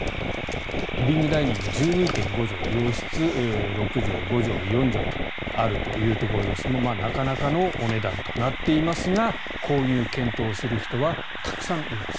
リビングダイニング１２．５畳洋室、６畳、５畳、４畳あるというところですがなかなかのお値段となっていますがこういう検討をする人はたくさんいます。